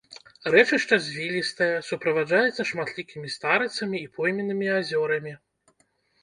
Рэчышча звілістае, суправаджаецца шматлікімі старыцамі і пойменнымі азёрамі.